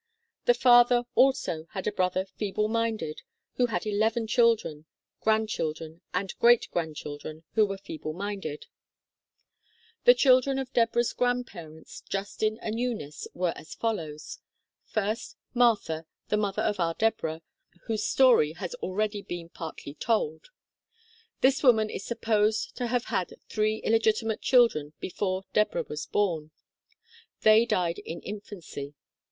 The father, also, had a brother feeble minded who had eleven children, grandchildren, and great grandchildren who were feeble minded. (Not shown). THE DATA 27 The children of Deborah's grandparents, Justin and Eunice, were as follows : first, Martha, the mother of our Deborah, whose story has already been partly told. This woman is supposed to have had three illegitimate children before Deborah was born. They died in in fancy.